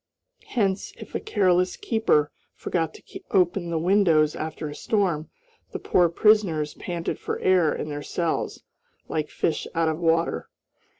Hence, if a careless keeper forgot to open the windows after a storm, the poor prisoners panted for air in their cells, like fish out of water.